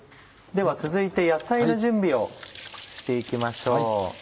では続いて野菜の準備をして行きましょう。